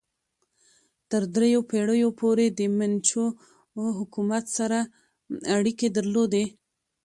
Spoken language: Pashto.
تر دریو پیړیو پورې د منچو حکومت سره اړیکې درلودې.